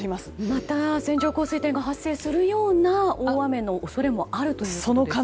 また線状降水帯が発生するような大雨の恐れもあるということですか。